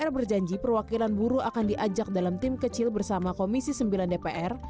r berjanji perwakilan buruh akan diajak dalam tim kecil bersama komisi sembilan dpr